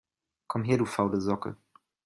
Komm her, du faule Socke